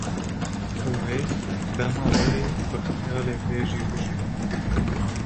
û wê dema berê bi xeyalî be jî bijîn